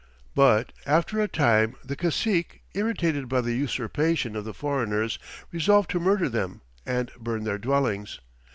But after a time the cacique, irritated by the usurpation of the foreigners, resolved to murder them and burn their dwellings.